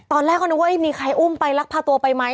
ตอนแรกก็นึกว่ามีใครอุ้มไปลักพาตัวไปไหม